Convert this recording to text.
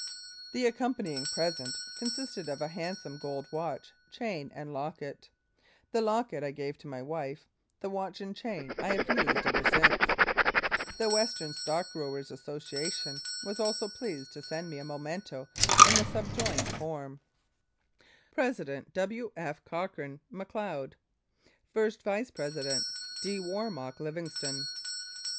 "The accompanying present" consisted of a hand some gold watch, chain and locket. The locket I gave to my wife, the watch and chain I have used ever since. The Western Stock Growers' Association was also pleased to send me a memento in the subjoined form : 95 Mounted Police Life in Canada [ COPY ] President : 1st Vice President : W. F. COCHRANE, Macleod. D. WARMOCK, Livingstone.